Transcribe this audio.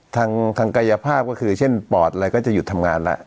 ทางกายภาพก็คือเช่นปอดอะไรก็จะหยุดทำงานแล้ว